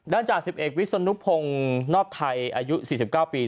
ด้านจาก๑๑วิศนุภงนไทยอายุ๔๙ปี